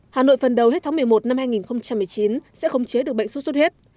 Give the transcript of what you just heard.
hà nội phần đầu hết tháng một mươi một năm hai nghìn một mươi chín sẽ không chế được bệnh xuất xuất huyết